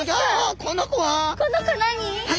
この子何？